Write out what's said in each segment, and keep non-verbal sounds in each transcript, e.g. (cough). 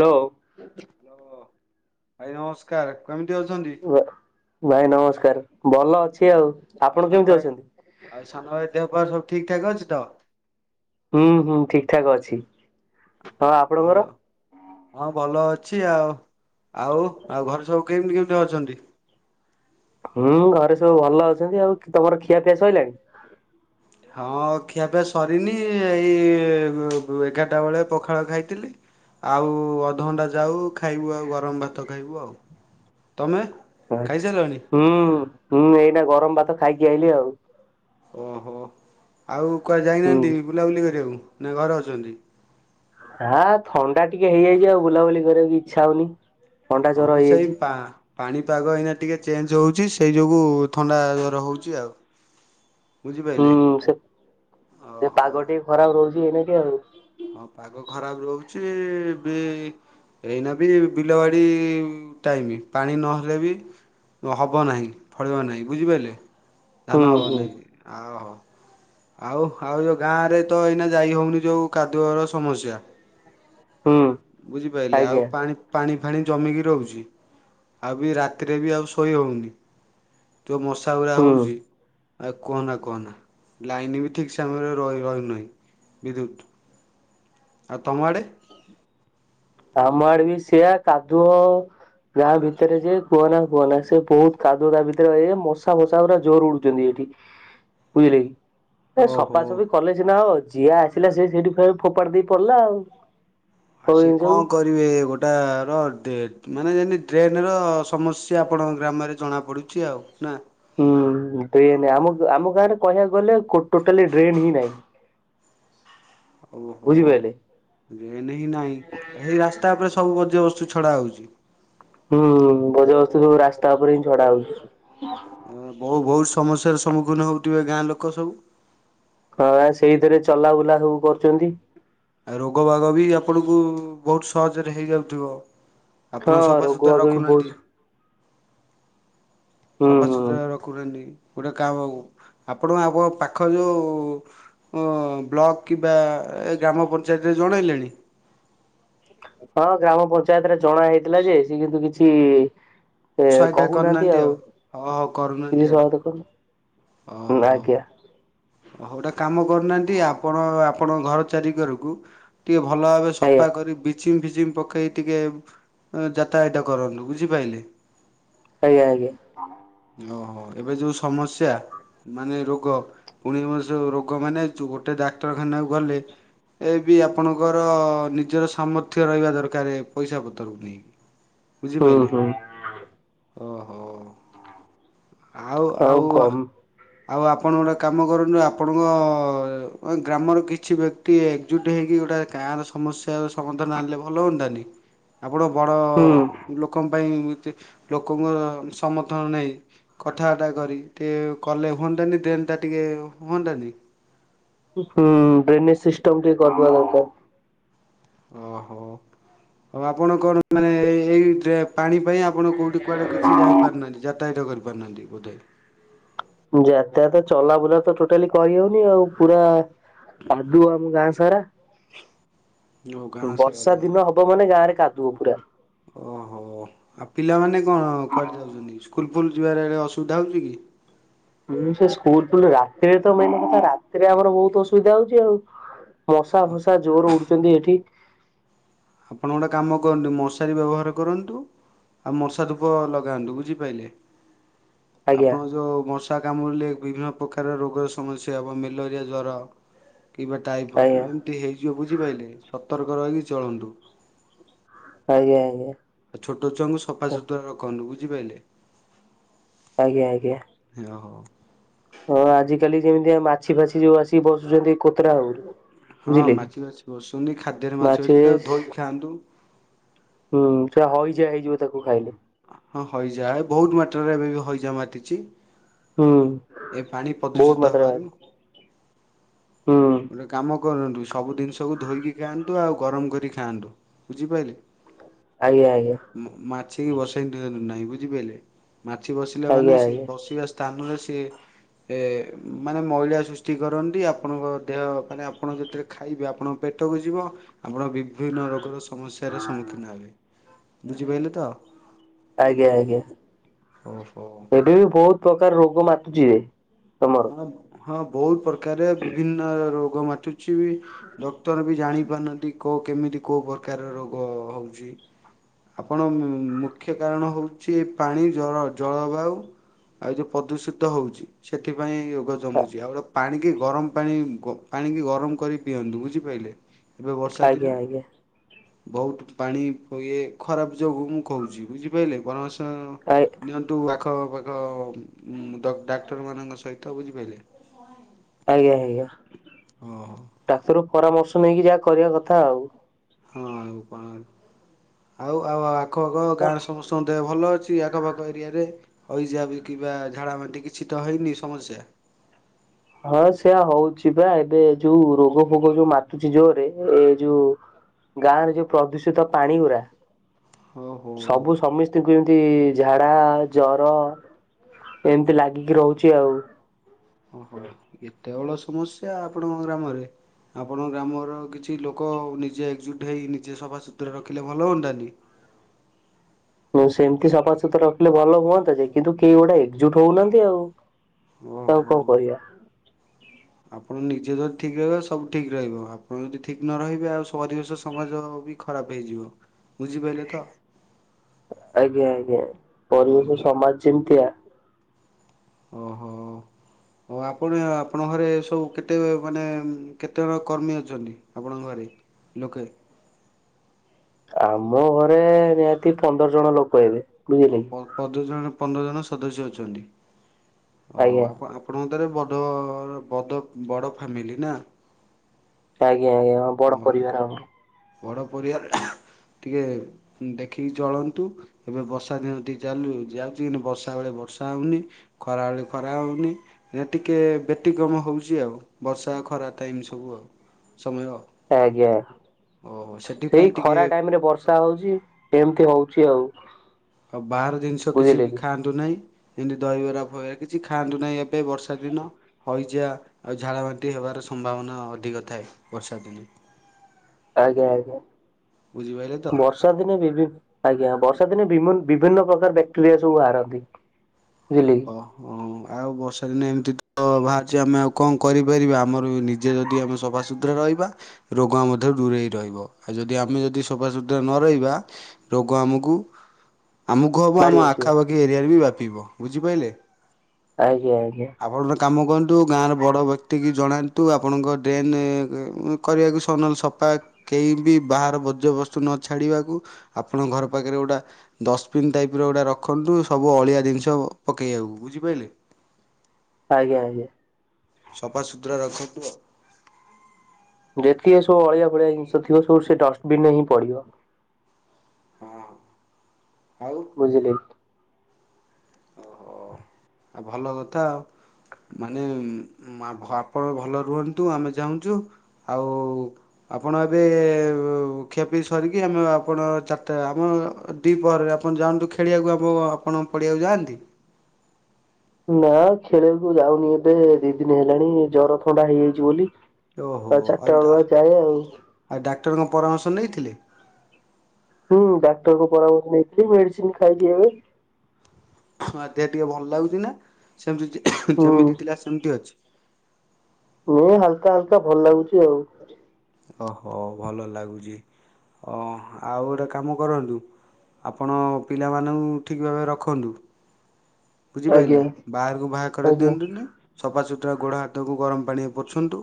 Hello. Hello, ଭାଇ ନମସ୍କାର କେମିତି ଅଛନ୍ତି? ଭାଇ ନମସ୍କାର ଭଲ ଅଛି ହଁ, ଆଉ। ଆପଣ ଆଉ ସାନ କେମିତି ଭାଇ ଅଛନ୍ତି? ଆଉ ସାନ ଭାଇ ଦେହପା ସବୁ ଠିକଠାକ୍ ଅଛି ତ? ହୁଁ ହୁଁ ଠିକ ଠାକ ଅଛି। ହଁ ଭଲ। ହଁ ଭଲ ଅଛି। ଆଉ ଆଉ ଆଉ ଘରେ ସବୁ କେମିତି କେମିତି ଅଛନ୍ତି? ହୁଁ ଘରେ ସବୁ ଭଲ ଅଛନ୍ତି ଆଉ ତମର ଖିଆପିଆ ସଇଲାଣି? ହଁ ଖିଆପିଆ ସରିନି ଏଇ ଏବ୍ ଏଗାରଟା ବେଳେ ପଖାଳ ଖାଇଥିଲି। ଆଉ ଅଧଘଣ୍ଟା ଯାଉ ଖାଇବୁ ଆଉ ଗରମ ଭାତ ଖାଇବୁ ଆଉ, ତମେ? ଖାଇସାରିଲଣି ହୁଁ ହୁଁ ଏଇନା ଗରମ ଭାତ ଖାଇକି ଆଇଲି ଆଉ। ଓହୋ ଆଉ କୁଆ ହୁଁ। ଯାଇନାହାନ୍ତି ବୁଲାବୁଲି କରିବାକୁ ନାଇଁ ଘରେ ଅଛନ୍ତି? ହାଁ ଥଣ୍ଡା ଟିକେ ହେଇଯାଇଛି ଆଉ ବୁଲାବୁଲି କରିବାକୁ ଇଚ୍ଛା ହଉନି। ଥଣ୍ଡା ଜର ହଁ ସେଇ ହେଇଯାଇଛି ପା ପାଣିପାଗ ଏଇନା ଟିକେ ଚେଞ୍ଜ ହଉଚି, ସେଇ ଯୋଗୁ ଥଣ୍ଡା ଜର ହଉଚି ଆଉ। ହୁଁ ବୁଝିପାରିଲେ। ସେ-ସେ ଓହୋ ପାଗ ଟିକେ ଖରାପ୍ ରହୁଚି ଏଇନେକେ ଆଉ। ହଁ ପାଗ ଖରାପ୍ ରହୁଚି ବି। ଏଇନା ବି ବିଲବାଡ଼ି ଟାଇମ୍ ପାଣି ନହେଲେ ବି ହବ ନାହିଁ ଫଳିବ ନାହିଁ ବୁଝିପାଇଲେ ହୁଁ ଧାନ ହବ ହୁଁ ନାହିଁ। (unintelligible) ଆଉ-ଆଉ ଯୋଉ ଗାଁ ରେ ତ ଏଇନା ଯାଇ ହଉନି ଯୋଉ କାଦୁଅର ସମସ୍ୟା ହୁଁ ବୁଝିପାଇଲେ ଆଉ ଆଜ୍ଞା ପାଣି ପାଣି ଫାଣି ଜମିକି ରହୁଛି, ଆଉ ବି ରାତିରେ ବି ଆଉ ଶୋଇ ହଉନି। ଯୋଉ ମଶାଗୁରା ହୁଁ। ହଉଚି ଆଉ କୁହନା-କୁହନା ଲାଇନି ବି ଠକ୍ ସମୟରେ ରହି ରହୁନାହିଁ ବିଦ୍ୟୁତ୍। ଆଉ ତମ ଆଡ଼େ? ଆମ ଆଡେ ବି ସେୟା କାଦୁଅ। ଗାଁ ଭିତେରେ ଯେ କୁହନା-କୁହନା ସେ ବହୁତ୍ କାଦୁଅ ତା ଭିତରେ ବା ଏ ମଶା ଫଶା ପୁରା ଜୋରେ ଉଡୁ ଚନ୍ତି ଏଠି ବୁଝିଲେ କି। ଏ ଓହୋ ସଫାସଫି କଲେ ସିନା ହବ, ଯିଏ ଆସିଲା ସିଏ ସେଇଠି ଫେରେ ଫୋପାଡି ଦେଇ ପଡିଲା ଆଉ। ଆ ସବୁ ସେ ଜିନିଷକୁ କଣ କରିବେ ଗୋ ଟାର ଡେ ମାନେ ଯେନ୍ତି ଡ୍ରେନର ସମସ୍ୟା ଆପଣଙ୍କ ଗ୍ରାମରେ ଜଣାପଡ଼ୁଚି ଆଉ ନା? ହୁଁ ଡ୍ରେନ୍ ଆମ-ଆମ ଗାଁ ରେ କହିବାକୁ ଗଲେ କୋ ଟୋଟାଲି ଡ୍ରେନ୍ ହିଁ ନାହିଁ। ବୁଝିପାଇଲେ। ଡ୍ରେନ୍ ହିଁ ନାହିଁ ହେଇ ରାସ୍ତା ଉପରେ ସବୁ ବଜ୍ୟବସ୍ତୁ ଛଡା ହଉଛି। ହୁଁ ବଯ୍ୟବସ୍ତୁ ସବୁ ରାସ୍ତା ଉପରେ ହିଁ ଛଡା ହଉଛି। ହଁ ବହୁ ବହୁତ୍ ସମସ୍ୟାର ସମ୍ମୁଖୀନ ହଉଥିବେ ଗାଁ ଲୋକ ସବୁ? ହଁ ବା ସେଇଥିରେ ଚଲା ବୁଲା ସବୁ କରୁଚନ୍ତି। ଆଉ ରୋଗ ବାଗ ବି ଆପଣଙ୍କୁ ବହୁତ୍ ସହଜରେ ହେଇଯାଉଥିବ। ଆପଣ ହଁ ରୋଗ ସଫାସତୁରା ବାଗ ବି ବହୁତ ରଖୁନାହାନ୍ତି, ହୁଁ ହୁଁ ସଫାସତୁରା ର ଖୁନାହାନ୍ତି ଗୋଟେ କାମକୁ ଆପଣ (unintelligible) ପାଖ ଯୋଉ ଓ ବ୍ଲକ୍ କିମ୍ବା ଏ ଗ୍ରାମ ପଞ୍ଚାୟତରେ ଜଣେଇଲେଣି? ହଁ ଗ୍ରାମ ପଞ୍ଚାୟତରେ ଜଣା ହେଇଥିଲା ଯେ, ସେ କିନ୍ତୁ କିଛି ଏ ସହାୟତା କହୁନାହାନ୍ତି କରିନାହାନ୍ତି ଆଉ ହଁ ହଉ କରୁନାହାନ୍ତି ଆଉ କିଛି! ! ! ! ! ! ! ! ! ! ହୁଁ ଓହୋ। ଆଜ୍ଞା। ହଉ ଗୋଟେ କାମ କରୁନାହାନ୍ତି ଆପଣ ଆପଣଙ୍କ ଘର ଚାରି କରକୁ ଟିକେ ଭଲ ଭାବେ ଆଜ୍ଞା ସଫା କରି ବଚିଙ୍ଗ ଫିଚିଙ୍ଗ ପକେଇ ଟିକେ ଯାତାୟତ କରନ୍ତୁ ବୁଝିପାଇଲେ। ଆଜ୍ଞା-ଆଜ୍ଞା। ହଣ ଓହୋ ଏବେ ଯୋଉ ସମସ୍ୟା ମାନେ ରୋଗ ପୁଣି (unintelligible) ରୋଗ ମାନେ ଗୋଟେ ଡାକ୍ତରଖାନାକୁ ଗଲେ ଏ ବି ଆପଣଙ୍କର ନିଜର ସାମର୍ଥ୍ୟ ରହିବା ଦରକାରେ ପଇସା ପତ୍ରକୁ ନେଇକି। ହୁଁ ବୁଝିପାଇଲେ। ହୁଁ ଆଉ ଆଉ-ଆଉ କମ୍ ଆଉ ଆପଣ ଗୋଟେ କାମ କରନ୍ତୁ ଆପଣଙ୍କ ଗ୍ରାମର କିଛି ବ୍ୟ କ୍ତି ଏକଜୁଟ୍ ହେଇକି ଗୋଟେଏ କାଁର ସମସ୍ୟାର ସମାଧାନ ଆଣିଲେ ଭଲ ହୁଅନ୍ତାନି। ଆପଣ ବଡ଼ ହୁଁ ଲୋକଙ୍କ ପାଇଁ (unintelligible) ଲୋକଙ୍କର ସମର୍ଥନ ନାହିଁ। କଥାଟା କରି ଟିକେ କଲେ ହୁଅନ୍ତାନି ଦେନ୍ ଟା ଟିକେ ହୁଅନ୍ତାନି। ହୁଁ ଡ୍ରେନେଜ୍ ସିଷ୍ଟମ୍ ଟିକେ କରିଦବା ଦରକାର୍। ଓହୋ ଆଉ ଆପଣ କଣ ମାନେ ଏ ଏଇ ପାଣି ପାଇଁ ଆପଣ କୋଉଠି କୁଆଡ଼େ କିଛି ଯାଇପାରୁନାହାନ୍ତି ଯାତାୟାତ କରିପାରୁନାହାନ୍ତି ବୋଧେ? ଯାତାୟାତ ଚଲାବୁଲା ତ ଟୋଟାଲି କରିହଉନି ଆଉ ପୁରା କାଦୁଅ ଆମ ଗାଁ ସାରା। ଓ ଗାଁ ବର୍ଷା ସାରା ଦିନ ହବ ମାନେ ଗାଁ ରେ କାଦୁଅ ପୁରା। ଓହୋ ଆଉ ପିଲାମାନେ କଣ କୁଆଡେ ଯାଉଚନ୍ତି, ସ୍କୁଲ୍ ଫୁଲ୍ ଯିବାରେ ଅସୁବିଧା ହଉଚି କି? (unintelligible) ସେ ସ୍କୁଲ୍ ଫୁଲ୍ ରାତିରେ ତ ମେନ୍ କଥା ରାତିରେ ଆମର ବହୁତ୍ ଅସୁବିଧା ହଉଚି ଆଉ। ମଶା ଫସା ଜୋର ଉଡୁଛନ୍ତି ଏଠି। ଆପଣ ଗୋଟେ କାମ କରନ୍ତୁ ମଶାରୀ ବ୍ୟବହାର କରନ୍ତୁ। ଆଉ ମଶା ଧୂପ ଲଗାନ୍ତୁ ବୁଝିପାଇଲେ ଆଜ୍ଞା ଆପଣ ଯୋଉ ମଶ ଷା କାମୁଡ଼ିଲେ ବିଭିନ୍ନ ପ୍ରକାର ରୋଗର ସମସ୍ୟା ହେବ ମେଲରିଆ ଜ୍ୱର କିବା। ଟାଇଫର୍ ଆଜ୍ଞା ଏମିତି ହେଇଯିବ ବୁଝିପାଇଲେ ସତର୍କ ରହିକି ଚଳନ୍ତୁ। ଆଜ୍ଞା ଆଜ୍ଞା। ଆ ଛୋଟ ଛୁଆଙ୍କୁ ସଫା ସୁତୁରା ରଖନ୍ତୁ ବୁଝିପାଇଲେ। ଆଜ୍ଞା ଆଜ୍ଞା। ହିଁ ଅ ହ। ହଁ ଆଜିକାଲି ଯେମିତିଆ ମାଛି, ଫାଛି ଯୋଉ ଆସିକି ବସୁଛନ୍ତି କୋତରା ଆଗରୁ। ହଁ ମାଛି, ଫାଛି ବସୁଛନ୍ତି ଖାଦ୍ୟରେ ମାଛି, ଫାଛି ତାକୁ ଧୋଇକି ଖାଆନ୍ତୁ। ହୁଁ ସେଆ ହଇଜା ହେଇଯିବ ତାକୁ ଖାଇଲେ। ହଁ ହଇଜା ଏ ବହୁତ ମାତ୍ରାରେ ଏବେ ବି ହଇଜା ମାତିଛି। ହୁଁ ଏ ପାଣି ବହୁତ ପ୍ରଦୂଷିତ ମାତ୍ରାରେ ହେବାରୁ ହୁଁ। ଗୋଟେ କାମ କରନ୍ତୁ ସବୁ ଜିନିଷକୁ ଧୋଇକି ଖାଆନ୍ତୁ ଆଉ ଗରମ କରି ଖାଆନ୍ତୁ ବୁଝିପାଇଲେ। ଆଜ୍ଞା ଆଜ୍ଞା। ମ-ମାଛି କି ବସେଇ ଦିଅନ୍ତୁ ନାହିଁ ବୁଝିପାଇଲେ ମାଛି ବସିଲା ମାନେ ଆଜ୍ଞା ସେ ଆଜ୍ଞା ବସିବା। ସ୍ଥାନରେ ସିଏ ଏ ମାନେ ମଇଳା ସୃଷ୍ଟି କରନ୍ତି ଆପଣଙ୍କ। ଦେହ ମାନେ ଆପଣ ଯେତେଳେ ଖାଇବେ ଆପଣଙ୍କ ପେଟକୁ ଯିବ ଆପଣ ବି ବିଭିନ୍ନ ରୋଗର ସମସ୍ୟାର ସମ୍ମୁଖୀନ ହେବେ ବୁଝିପାଇଲେ ତ। ଆଜ୍ଞା ଆଜ୍ଞା ଓହୋ ଏଠି ବି ବହୁତ ପ୍ରକାର ରୋଗ ମାତୁଛିି ତମ ଅଁ ହଁ ବହୁତ ପ୍ରକାରେ ବିଭିନ୍ନ ରୋଗ ମାତୁ ଛି ବି ଡକ୍ଟର ବି ଜାଣି ପାରୁନାହାନ୍ତି କ କେମିତି କୋଉ ପ୍ରକାରର ରୋଗ ହଉଛି। ଆପଣ ଉଁ ମୁଖ୍ୟ କାରଣ ହଉଛି ପାଣି ଜଳ ଜଳବାୟୁ। ଆଉ ଯୋଉ ପ୍ରଦୂଷିତ ହଉଛି ସେଥିପାଇଁ ରୋଗ ଜମୁଛି ଆଉ ଡ ପାଣିିକି ଗରମ। ପାଣି ଗ ପାଣିକି ଗରମ କରି ପିଅନ୍ତୁ ବୁଝିପାଇଲେ ଏବେ ବର୍ଷା ଆଜ୍ଞା ଦିନ। ଆଜ୍ଞା ବହୁତ ପାଣି ପ ଇଏ ଖରାପ ଯୋଗୁ ମୁଁ କହୁଛି ବୁଝିପାଇଲେ (unintelligible) ଅଁ ନିଅନ୍ତୁ ଆଖ ପାଖ ଉଁ ଡ ଡାକ୍ତର ମାନଙ୍କ ସ ସହିତ ବୁଝିପାଇଲେ। ଆଜ୍ଞା ଆଜ୍ଞା ଡାକ୍ତର ପରାମର୍ଶ ନେଇକି ଯାହା କରିବା କଥା ଆଉ। ହଁ ଆଉ କଣ ଆଉ ଆଉ ଆଉ ଆଉ ଆଖ ଆଖ ଗାଁରେ ସମସ୍ତଙ୍କ ଦେହ ଭଲ ଅଛି ଆଖ ପାଖ ଏରିଆରେ ହଇଜା ବି କିମ୍ବା ଝାଡ଼ାବାନ୍ତି କିଛି ତ ହେଇନି ସମସ୍ୟା? ହଁ ସେୟା ହଉଛି ପା ଏବେ ଯୋଉ ରୋଗ ଫୋଗ ଯୋଉ ମାତୁଛି ଯୋରେ ଏ ଯୋଉ। ଗାଁ ରେ ଯୋଉ ପ୍ରଦୂଷିତ ପାଣି ଗୁରା। ଓହୋ ସବୁ ସମିସ ତିକୁ ଏମିତି ଝାଡା, ଜର ଏମିତି ଲାଗିକି ରହୁଛି ଆଉ। ଓହୋ ଏତେ ବଡ ସମସ୍ୟା ଆପଣଙ୍କ ଗ୍ରାମରେ। ଆପଣଙ୍କ ଗ୍ରାମର କିଛି ଲୋକ ନିଜେ ଏକଜୁଟ ହେଇ ନିଜେ ସଫାସୁତୁରା ରଖିଲେ ଭଲ ହୁଅନ୍ତାନି। ନାଇ ସେମିତି ସଫାସୁତୁରା ରଖିଲେ ଭଲ ହୁଅନ୍ତା ଯେ କିନ୍ତୁ କେହି ଗୋଟେ ଏକଜୁଟ ହଉନାହାନ୍ତି ଆଉ। ଆଉ କଣ କହିବା। ହ ଆପଣ ନିଜେ ଯଦି ଠିକ୍ ରହିବ ସବୁ ଠିକ୍ ରହିବ ଆପଣ ଯଦି ଠିକ ନ ରହିବେ ଆଉ ସ ପରିବେଶ, ସମାଜ ବି। ଖରାପ ହେଇଯିବ। ବୁଝିପାଇଲେ ତ? ଆଜ୍ଞା ଆଜ୍ଞା ପରିବେଶ, ଓହୋ ସମାଜ ଯେମତିଆ। ଓହୋ। ହଉ ଆପଣ ଆପଣଙ୍କ ଘରେ ସବୁ କେତେ ମାନେ ଉଁ କେତେଜଣ କର୍ମୀ ଅଛନ୍ତି? ଆପଣଙ୍କ ଘରେ ଲୋକେ। ଆମ ଘରେ ନିହାତି ପନ୍ଦର ଜଣ ଲୋକ ହେବେ ବୁଝିଲେ କି। ପନ୍ଦର ଜଣ ପନ୍ଦର ଜଣ ସଦସ୍ୟ ଅଛନ୍ତି। ଆଜ୍ଞା। ଆପଣଙ୍କତରେ ବଡ଼ ବଡ଼ ବଡ଼ ଫ୍ୟାମିଲି ନା? ଆଜ୍ଞା ଆଜ୍ଞା ହଁ ବଡ ଓହୋ ପରିବାର ଆଉ। ବଡ଼ ପରିବାର ଟିକେ ଦେଖିକି ଚଳନ୍ତୁ ଏବେ ବର୍ଷା ଦିନ ଟିକେ ଚାଲୁ ଯାଉଛି ବର୍ଷା ବେଳେ ବର୍ଷା ହଉନି। ଖରାବେେଳେ ଖରା ହଉନି। ନା ଟିକେ ବ୍ୟତିକ୍ରମ ହେଉଛି ଆଉ ବର୍ଷା ଖରା ଟାଇମ୍ ସବୁ ଆଉ ସମୟ ଆଜ୍ଞା ସେଇ ସେଥିପାଇଁ ଖରା ଟିକେ ଟାଇମ ରେ ବର୍ଷା ହଉଛି। ଏମିତି ହଉଛି ଆଉ। ଆଉ ବାହାର ଜିନିଷ କିଛି ବୁଝିଲେ ବି କି ଖାଆ ନ୍ତୁ ନାହିଁ ଏମତି ଦହିବରା କିଛି ଖାଆନ୍ତୁ ନାହିଁ ଏବେ ବର୍ଷା ଦିନ। ହଇଚା ଆଉ ଝାଳ ବାନ୍ତି ହେବାର ସମ୍ଭାବନା ଅଧିକ ଥାଏ ବର୍ଷା ଦିନେ। ଆଜ୍ଞା ଆଜ୍ଞା ବୁଝିପାରିଲେ ତ? ବର୍ଷ ବର୍ଷା ଦିନେ ବିଭି ଆଜ୍ଞା ବର୍ଷା ଦିନେ ବିମ ବିଭିନ୍ନ ପ୍ରକାର ବ୍ୟାକ୍ଟେରିଆ ସବୁ ବାହାରନ୍ତି। ବୁଝିଲି। ଓହ ଆଉ ବର୍ଷା ଦିନେ ଏମିତି ତ ବାହାରିଛି ଆମେ ଆଉ କଣ କରିପାରିବା ଆମର ନିଜେ ଯଦି ଆମେ ସଫାସୁତୁର ତୁରା ରହିବା ରୋଗ ମଧ୍ୟ ଦୂରେଇ ରହିବ ଆଉ ଯଦି ଆମେ ଯଦି ସଫା ସୁୁତୁରା ନ ରହିବା। ରୋଗ ଆମକୁ ଆମକୁ ହେବ ମାଡି ଆମ ବସିବ ଆଖାପାଖି ଏରିଆରେ ବି ବ୍ୟାପିବ ବୁଝିପାରିଲେ। ଆଜ୍ଞା ଆଜ୍ଞା। ଆପଣଙ୍କ କାମ କରନ୍ତୁ ଗାଁର ବଡ଼ ବ୍ୟକ୍ତି କି ଜଣାନ୍ତୁ ଆପଣଙ୍କ ଡ୍ରେନରେ କରିବାକୁ ସନଲ ସଫା କେହି ବି ବାହାର ବର୍ଜ୍ୟବସ୍ତୁ ନ ଛାଡ଼ିବାକୁ। ଆପଣ ଘର ପାଖରେ ଗୋଟେ ଡଷ୍ଟବିନ୍ ଟାଇପର ଗୋଟା ରଖନ୍ତୁ। ସବୁ ଅଳିଆ ଜିନିଷ ପକେଇବାକୁ ବୁଝିପାରିଲେ। ଆଜ୍ଞା ଆଜ୍ଞା। ସଫାସୁତୁରା ରଖନ୍ତୁ ଆଉ। ଯେତିକି ସବୁ ଅଳିଆ ଭଳିଆ ଜିନିଷ ଥିବ ସବୁ ସେ ଡଷ୍ଟବିନ ରେ ହିଁ ପଡିବ। ହଁ ଆଉ। ବୁଝିଲି। ଓହୋ ଆଉ ଭଲ କଥା। ମାନେ ଆପଣ ଭଲ ରୁହନ୍ତୁ ଆମେ ଚାହୁଁଛୁ ଆଉ ଆପଣ ଏବେ ଖିଆପି ସରିକି ଆମେ ଆପଣ ଚାରିଟା ଆମ ଦିପହରେ ଆପଣ ଯାଆନ୍ତୁ ଖେଳିବାକୁ ଆମ ଆପଣ ପଡିଆକୁ ଯାଆନ୍ତି। ନା ଖେଳିବାକୁ ଯାଉନି ଏବେ ଦି ଦିନ ହେଲାଣି ଜର ଥଣ୍ଡା ହେଇଯାଇଛି ବୋଲି। ଆଉ ଚାରିଟା ବେଳୁଆ ଯାଏ ଆଉ। ଆଉ ଡାକ୍ତରଙ୍କ ପରାମର୍ଶ ନେଇଥିଲେ। ହୁଁ ଡାକ୍ତରଙ୍କ ପରାମର୍ଶ ନେଇଥିଲି ମେଡିସିନ ଖାଇଚି ଏବେ ହଁ ଦେହ ଟିକେ ଭଲ ଲାଗୁଥିଲା ସେମତି ହୁଁ ଯେମିତି ଥିଲା ସେମିତି ଅଛି। ମୁୁ ହେ ହାଲକା ହାଲକା ଭଲ ଲାଗୁଚି ଆଉ। ଓହୋ ଭଲ ଲାଗୁଚି ଓ ଆଉ ଗୋଟେ କାମ କରନ୍ତୁ। ଆପଣ ପିଲାମାନଙ୍କୁ ଠିକ୍ ଭାବେ ରଖନ୍ତୁ। ବୁଝିପାରିଲେ ଆଜ୍ଞା ବାହାରକୁ ବାହାକରେଇ ଆଜ୍ଞା ଦିଅନ୍ତୁ ଆଜ୍ଞା। ନାହିଁ ସଫାସୁତୁରା ଗୋଡ଼ ହାତକୁ ଗରମ ପାଣି ପୋଛନ୍ତୁ।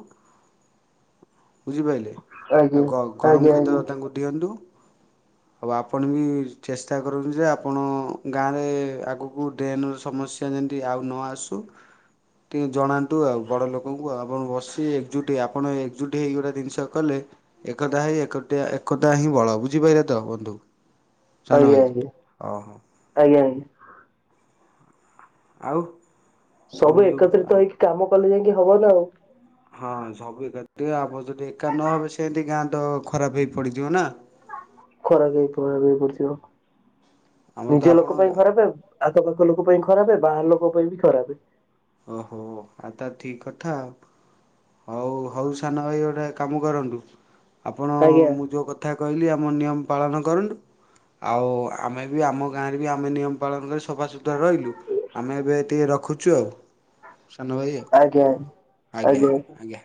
ବୁଝିପାରିଲେ ଆଉ ଆଜ୍ଞା ଗରମ ଆଜ୍ଞା ଆଜ୍ଞା ଖାଦ୍ୟ ତାଙ୍କୁ ଦିଅନ୍ତୁ। ହଉ ଆପଣ ବି ଚେଷ୍ଟା କରନ୍ତୁ ଯେ ଆପଣ ଗାଁରେ ଆଗକୁ ଡ୍ରେନର ସମସ୍ୟା ସମସ୍ୟା ଆଉ ନ ଆସୁ। ଟିକେ ଜଣାନ୍ତୁ ଆଉ ବଡ଼ ଲୋକଙ୍କୁ ଆପଣ ବସି ଏକଜୁଟ ଆପଣ ଏକଜୁଟ ଏକଜୁଟ ହେଇ ଗୋତେ ଜିନିଷ କଲେ ଏକତା ହେଇ ଏକତା ହିଁ ବଳ ବୁଝିପାରିଲେ ତ ବନ୍ଧୁ। ସାନ ଆଜ୍ଞା ଆଜ୍ଞା ଭାଇ ଓହୋ ଆଜ୍ଞା ଆଜ୍ଞା। ଆଉ। ଆଉ ସବୁ ବନ୍ଧୁ ଏକତ୍ରିତ ଆଉ ହେଇକି କାମ କଲେ ଯାଇକି ହବ ନା ଆଉ। ହଁ ସବୁ ଏକା ଆପ ଯଦି ଏକା ନହବେ ସେମିତି ଗାଁ ତ ଖରାପ ହେଇ ପଡିଥିବ ନା। ଖରାପ ହେଇ ପ୍ରଭାବ ହେଇ ପଡିିଥିବ ଆମର ତ ନିଜ ଆପଣ ଲୋକ ପାଇଁ ଖରାପେ ଆଉ ଆଖପାଖ ଲୋକ ପାଇଁ ଖରାପେ ବାହାର ଲୋକ ପାଇଁ ବି ଖରାପେ। ଓହୋ ଆ ତା ଠିକ କଥା ଆଉ। ହଉ ହଉ ସାନ ଭାଇ ଗୋଟେ କାମ କରନ୍ତୁ ଆପଣ ଆଜ୍ଞା। ମୁଁ ଯୋଉ କଥା କହିଲି ଆମ ନିୟମ ପାଳନ କରନ୍ତୁ। ଆଉ ଆମେ ବି ଆମ ଗାଁରେ ବି ଆମେ ନିୟମ ପାଳନ କରି ସଫାସୁତୁରା ରହିଲୁ। ଆମେ ଏବେ ଟିକେ ରଖୁଛୁ ଆଉ ସାନ ଭାଇ ଆଉ ଆଜ୍ଞା ଆଜ୍ଞା ଆଜ୍ଞା ଆଜ୍ଞା।